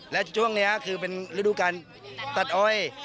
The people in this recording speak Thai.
และช่วงนี้คือเป็นฤดูการตัดอ้อย